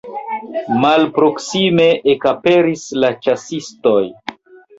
Malproksime ekaperis la ĉasistoj.